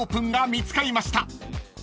見つかりました］